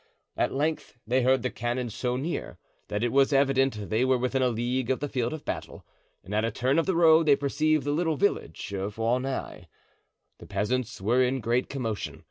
At length they heard the cannon so near that it was evident they were within a league of the field of battle, and at a turn of the road they perceived the little village of Aunay. The peasants were in great commotion.